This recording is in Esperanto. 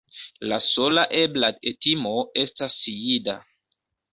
La sola ebla etimo estas jida.